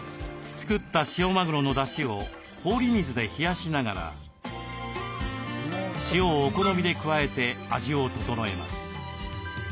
作った塩マグロの出汁を氷水で冷やしながら塩をお好みで加えて味を調えます。